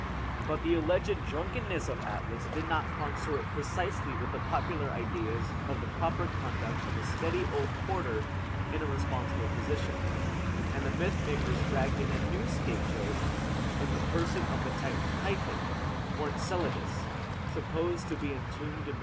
But the alleged drunkenness of Atlas did not consort precisely with the popular ideas of the proper conduct of a steady old porter in a responsible position; and the mythmakers dragged in a new scapegoat in the person of the Titan Typhon, or Enceladus, supposed to be entombed in Mt.